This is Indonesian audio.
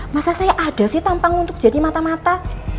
masa saya ada sih tampang untuk jadi mata mata